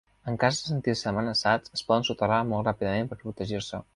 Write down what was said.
En cas de sentir-se amenaçats es poden soterrar molt ràpidament per protegir-se.